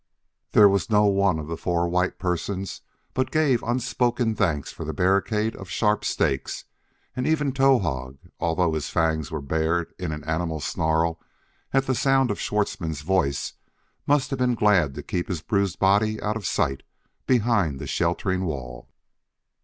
There was no one of the four white persons but gave unspoken thanks for the barricade of sharp stakes, and even Towahg, although his fangs were bared in an animal snarl at the sound of Schwartzmann's voice, must have been glad to keep his bruised body out of sight behind the sheltering wall.